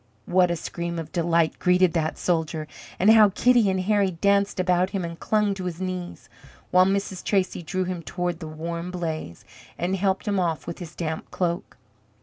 What a scream of delight greeted that soldier, and how Kitty and Harry danced about him and clung to his knees, while Mrs. Tracy drew him toward the warm blaze, and helped him off with his damp cloak!